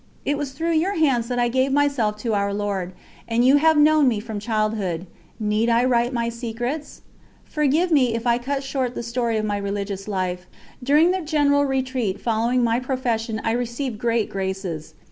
It was through your hands that I gave myself to Our Lord, and you have known me from childhood need I write my secrets? Forgive me if I cut short the story of my religious life. During the general retreat following my profession I received great graces.